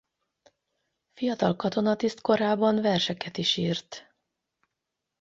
Fiatal katonatiszt korában verseket is írt.